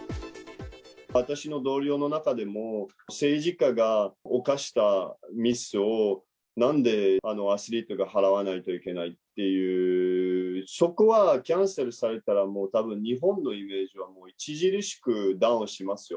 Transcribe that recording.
私の同僚の中でも、政治家が犯したミスを、なんでアスリートが払わないといけないっていう、そこはキャンセルされたら、もうたぶん日本のイメージは著しくダウンしますよ。